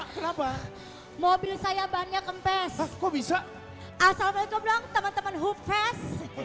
kenapa mobil saya banyak kempes kok bisa assalamualaikum teman teman hoopest